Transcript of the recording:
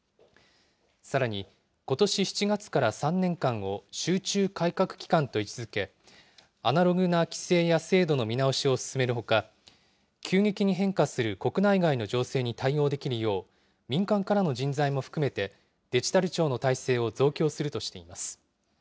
さらに、ことし７月から３年間を集中改革期間と位置づけ、アナログな規制や制度の見直しを進めるほか、急激に変化する国内外の情勢に対応できるよう、民間からの人材も含めて、デジタル庁の体制を増強するとしています。